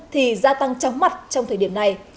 thì gia tăng tróng mặt trong thời điểm này